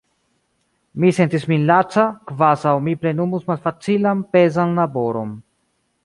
Mi sentis min laca, kvazaŭ mi plenumus malfacilan pezan laboron.